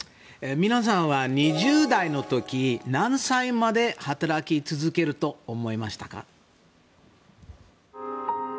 皆さんは２０代の時何歳まで働き続けると思いましたか。